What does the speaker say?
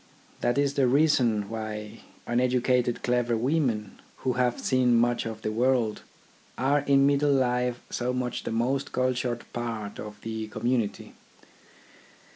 That is the reason why un educated clever women, who have seen much of the world, are in middle life so much the most cultured part of the community.